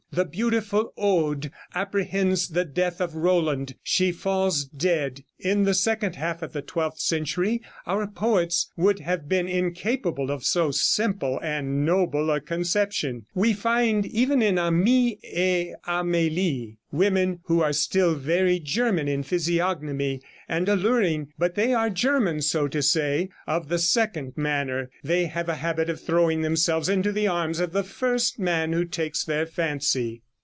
The beautiful Aude apprehends the death of Roland; she falls dead. In the second half of the twelfth century our poets would have been incapable of so simple and noble a conception. We find, even in 'Amis et Amelis,' women who are still very German in physiognomy, and alluring, but they are Germans, so to say, of the second manner. They have a habit of throwing themselves into the arms of the first man who takes their fancy.